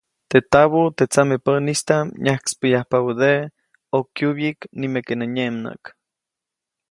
Teʼ tabuʼ, teʼ tsamepäʼnistaʼm nyajkspäyajpabädeʼe ʼokyubyiʼk, nimeke nä nyeʼmnäʼk.